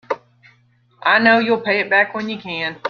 I know you'll pay it back when you can.